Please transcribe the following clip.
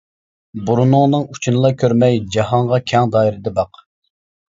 بۇرنۇڭنىڭ ئۇچىنىلا كۆرمەي جاھانغا كەڭ دائىرىدە باق!